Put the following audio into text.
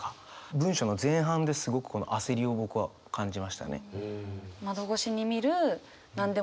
文章の前半ですごくこの焦りを僕は感じましたね。